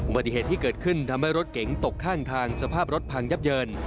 ปฏิเหตุที่เกิดขึ้นทำให้รถเก๋งตกข้างทางสภาพรถพังยับเยิน